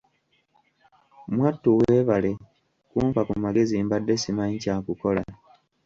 Mwattu weebale kumpa ku magezi mbadde simanyi kyakukola!